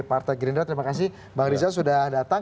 marta gerindra terima kasih bang riza sudah datang